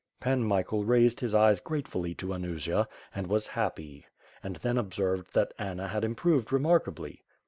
^" Pan Michael raised his eyes gratefully to Anusia and was happy, aijd then observed that Anna had improved remark ably.